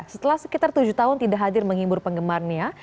setelah sekitar tujuh tahun tidak hadir menghibur penggemarnya